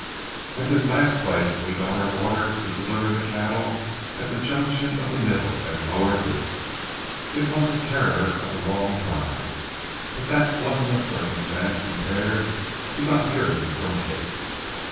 "At this last place we got our orders to deliver the cattle at the junction of the middle and lower Loup. It was a terror of a long drive, but that wasn't a circumstance compared to not hearing from Kate.